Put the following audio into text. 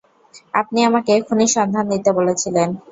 আপনি আমাকে খুনির সন্ধান দিতে বলেছিলেন।